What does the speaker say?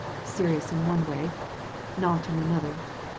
" "Serious in one way, not in another.